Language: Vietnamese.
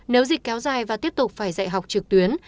nếu dịch kéo dài và tiếp tục phải dạy học trực tuyến